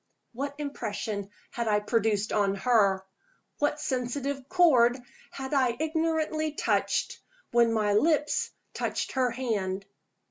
What impression had I produced on her? What sensitive chord had I ignorantly touched, when my lips touched her hand?